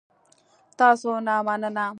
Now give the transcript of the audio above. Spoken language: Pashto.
تاسو نه مننه